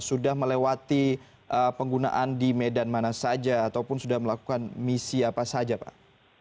sudah melewati penggunaan di medan mana saja ataupun sudah melakukan misi apa saja pak